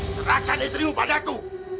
serahkan esrimu pada aku